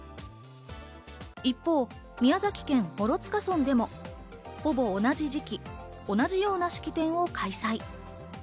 一方、宮崎県諸塚村でもほぼ同じ時期、同じような式典を開催。